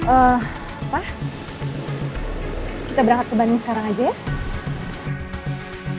eh apa kita berangkat ke bandung sekarang aja ya